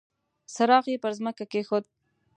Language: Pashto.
څراغ يې پر ځمکه کېښود.